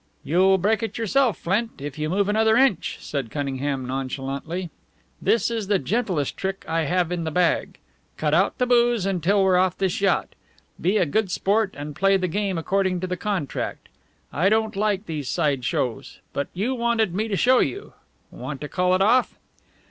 "You'll break it yourself, Flint, if you move another inch," said Cunningham, nonchalantly. "This is the gentlest trick I have in the bag. Cut out the booze until we're off this yacht. Be a good sport and play the game according to contract. I don't like these side shows. But you wanted me to show you. Want to call it off?"